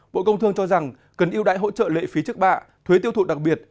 bộ công thương cho rằng cần ưu đại hỗ trợ lệ phí trước bạ thuế tiêu thụ đặc biệt